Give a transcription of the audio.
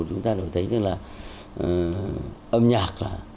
chúng ta đều thấy là âm nhạc